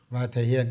và thể hiện